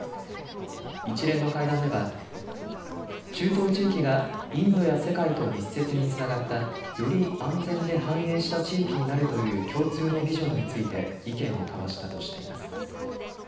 一連の会談では中東地域がインドや世界と密接につながった、より安全で繁栄した地域になるという共通のビジョンについて意見を交わしたとしています。